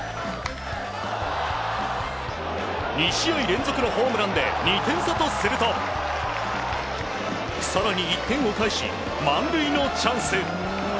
２試合連続のホームランで２点差とすると更に１点を返し満塁のチャンス。